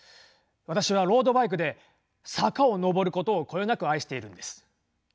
私はロードバイクで坂を上ることをこよなく愛しているんです。